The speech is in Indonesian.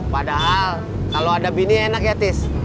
padahal kalau ada bini enak ya tis